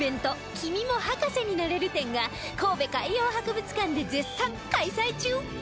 「君も博士になれる展」が神戸海洋博物館で絶賛開催中